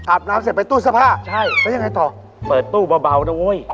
น้ำเสร็จไปตู้เสื้อผ้าใช่แล้วยังไงต่อเปิดตู้เบานะเว้ย